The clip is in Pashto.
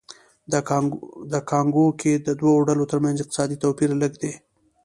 د کانګو کې د دوو ډلو ترمنځ اقتصادي توپیر لږ دی